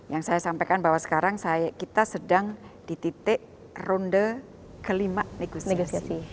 yang saya sampaikan bahwa sekarang kita sedang di titik ronde kelima negosiasi